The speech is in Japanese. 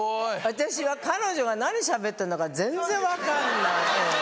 私は彼女が何喋ってんだか全然分かんない。